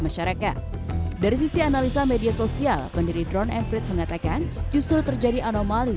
masyarakat dari sisi analisa media sosial pendiri drone emprit mengatakan justru terjadi anomali